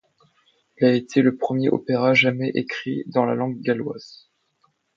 Il a été le premier opéra jamais écrit dans la langue galloise.